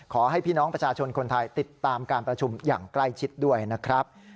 ขอให้พี่น้องประชาชนคนไทยติดตามการประชุมอย่างใกล้ชิดด้วยนะครับ